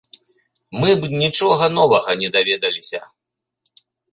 Мы б нічога новага не даведаліся.